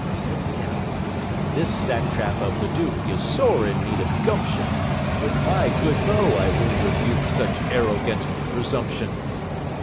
Said Tell, "This satrap of the Duke Is sore in need of gumption; With my good bow I will rebuke Such arrow gant presumption."